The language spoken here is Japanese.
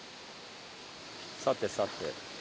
さてさて。